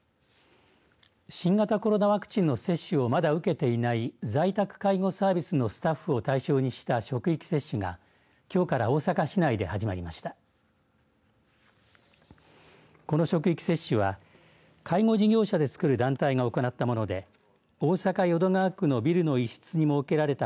新型コロナワクチンの接種をまだ受けていない在宅介護サービスのスタッフを対象にした職域接種がきょうから大阪市内で始まりました。